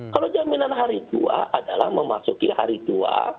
kalau jaminan hari tua adalah memasuki hari tua